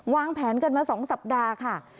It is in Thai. วางแผนกันมา๒สัปดาห์ค่ะ